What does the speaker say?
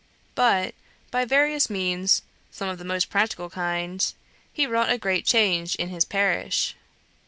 But, by various means, some of the most practical kind, he wrought a great change in his parish.